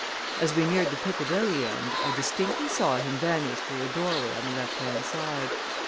As we neared the Piccadilly end I distinctly saw him vanish through a doorway on the lefthand side.